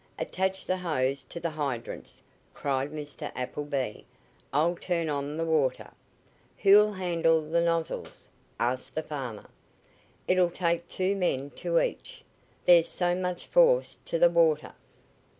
"Attach the hose to the hydrants!" cried Mr. Appleby. "I'll turn on th' water." "Who'll handle the nozzles?" asked the farmer. "It'll take two men to each one, there's so much force to th' water."